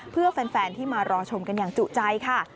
เพื่อแฟนที่มารอชมกันอย่างจุใจค่ะ